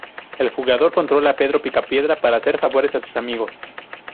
El jugador controla a Pedro Picapiedra para hacer favores a sus amigos.